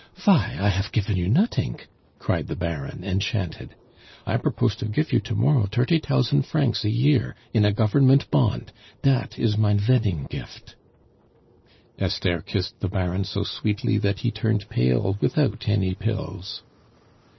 "Vy, I hafe gifen you notink," cried the Baron, enchanted. "I propose to gife you to morrow tirty tousant francs a year in a Government bond. Dat is mein vedding gift." Esther kissed the Baron so sweetly that he turned pale without any pills.